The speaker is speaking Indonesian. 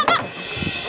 eh pak kak